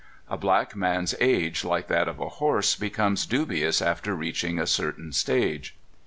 A black man's age, like that of a horse, becomes dubious after reaching a certain stage.